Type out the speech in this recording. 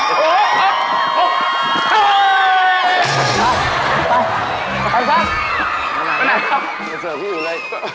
หน้าแต่ไม่เสิร์ฟพี่อยู่เลย